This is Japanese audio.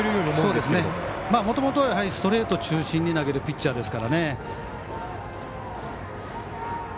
もともとストレート中心に投げるピッチャーですからね。